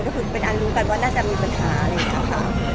ก็คือเป็นอันรู้กันว่าน่าจะมีปัญหาอะไรอย่างนี้ค่ะ